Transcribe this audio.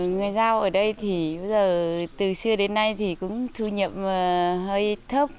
người giao ở đây thì bây giờ từ xưa đến nay thì cũng thu nhập hơi thấp